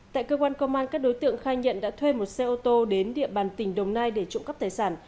tại cơ quan công an các đối tượng khai nhận đã thuê một xe ô tô đến địa bàn tỉnh đồng nai để trộm cắp tài sản